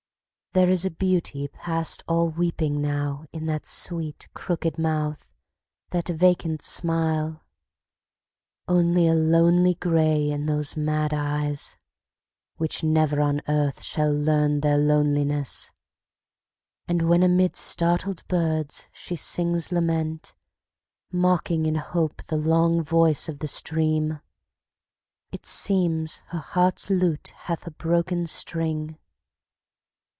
There is a beauty past all weeping now In that sweet, crooked mouth, that vacant smile; Only a lonely grey in those mad eyes, Which never on earth shall learn their loneliness. And when amid startled birds she sings lament, Mocking in hope the long voice of the stream, It seems her heart's lute hath a broken string.